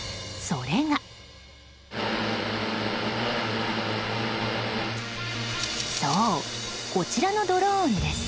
そう、こちらのドローンです。